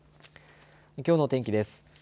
きょうの天気です。